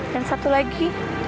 dan satu lagi